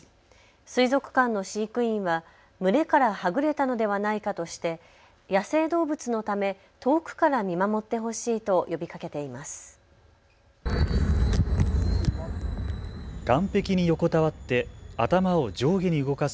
水族館の飼育員は群れからはぐれたのではないかとして野生動物のため遠くから見守ってほしいと呼びかけています。